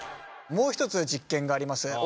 もう一つ実験があります。